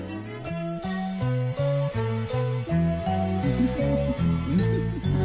フフフフ。